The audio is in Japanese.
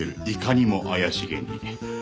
いかにも怪しげに。